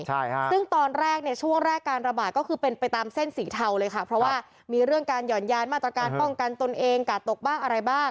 ใช่ค่ะซึ่งตอนแรกเนี่ยช่วงแรกการระบาดก็คือเป็นไปตามเส้นสีเทาเลยค่ะเพราะว่ามีเรื่องการหย่อนยานมาตรการป้องกันตนเองกาดตกบ้างอะไรบ้าง